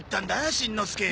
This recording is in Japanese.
しんのすけ。